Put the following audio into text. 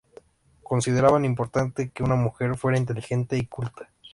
Consideraban importante que una mujer fuera inteligente y culta.